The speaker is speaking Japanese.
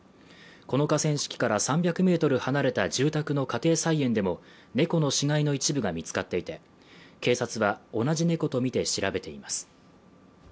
この河川敷から３００ｍ離れた住宅の家庭菜園でも、猫の死骸の一部が見つかっていて警察は同じ猫とみて調べています。